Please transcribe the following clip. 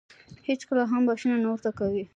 هېڅکله هم بښنه نه ورته کوي .